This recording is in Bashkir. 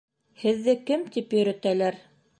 Һеҙҙе кем тип йөрөтәләр?